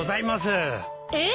えっ？